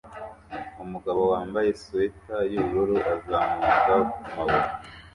Umugabo wambaye swater yubururu azamuka kumabuye